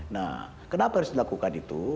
nah kenapa harus dilakukan itu